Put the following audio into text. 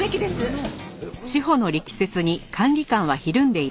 うん。